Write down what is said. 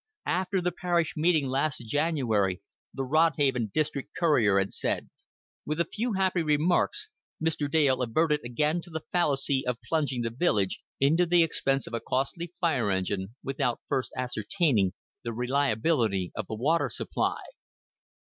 After the Parish meeting last January the Rodhaven District Courier had said, "With a few happy remarks Mr. Dale adverted again to the fallacy of plunging the village into the expense of a costly fire engine without first ascertaining the reliability of the water supply."